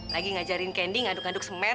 lagi ngajarin kendi ngaduk ngaduk semen